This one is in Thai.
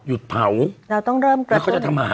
หยุดเผาแล้วเขาจะทำหา